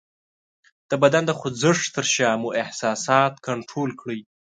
د بدن د خوځښت تر شا مو احساسات کنټرول کړئ :